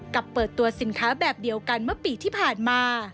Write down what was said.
เปิดตัวสินค้าแบบเดียวกันเมื่อปีที่ผ่านมา